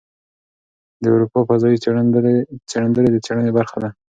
د اروپا فضايي څېړندلې د څېړنې برخه ده.